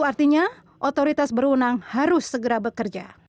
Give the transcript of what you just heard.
karena otoritas berunang harus segera bekerja